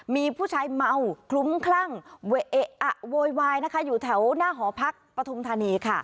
มีผู้ชายเมาคลุ้มคลั่งโวยวายอยู่แถวหน้าหอพรรคปทมธานี